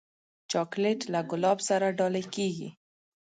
چاکلېټ له ګلاب سره ډالۍ کېږي.